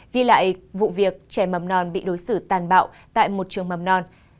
ghi lại vụ việc trẻ mầm non bị đối xử tàn bạo tại một trường mầm non